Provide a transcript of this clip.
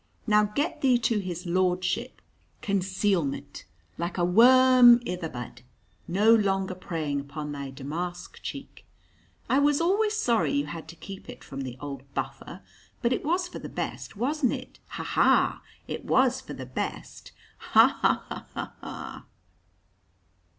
Now get thee to his lordship concealment, like a worm i' the bud, no longer preying upon thy damask cheek. I was alway sorry you had to keep it from the old buffer. But it was for the best, wasn't it? ha! ha! it was for the best! Ha! ha! ha! ha! ha!"